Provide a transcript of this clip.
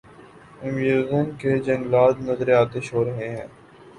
Amazon کے جنگلات نذرِ آتش ہو رہے ہیں۔